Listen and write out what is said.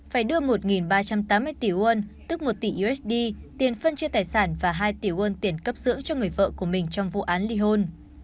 phải đưa một ba trăm tám mươi tỷ won tức một tỷ usd tiền phân chia tài sản và hai tỷ won tiền cấp dưỡng cho người vợ của mình trong vụ án ly hôn